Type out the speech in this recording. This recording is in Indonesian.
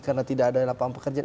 karena tidak ada lapangan pekerjaan